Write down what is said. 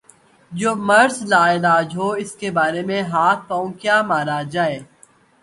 جو مرض لا علاج ہو اس کے بارے میں ہاتھ پاؤں کیا مارا جائے۔